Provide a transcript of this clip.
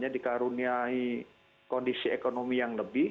dikaruniai kondisi ekonomi yang lebih